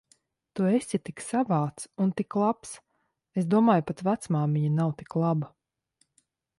Tu esi tik savāds un tik labs. Es domāju, pat vecmāmiņa nav tik laba.